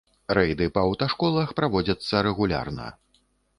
Рэйды па аўташколах праводзяцца рэгулярна.